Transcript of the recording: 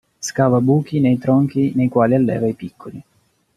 Scava buchi nei tronchi nei quali alleva i piccoli.